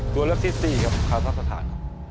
ตัวเลือกที่๔ครับคาซักสถานครับ